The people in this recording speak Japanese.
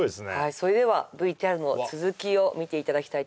それではＶＴＲの続きを見ていただきたいと思います